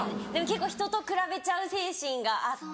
人と比べちゃう精神があって。